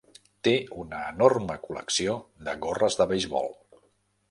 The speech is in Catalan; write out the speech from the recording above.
Té una enorme col·lecció de gorres de beisbol.